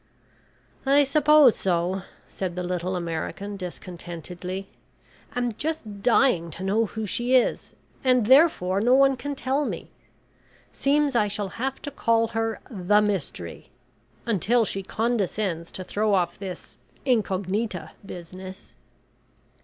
"I suppose so," said the little American, discontentedly. "I'm just dying to know who she is, and therefore no one can tell me. Seems I shall have to call her `the Mystery,' until she condescends to throw off this incognita business."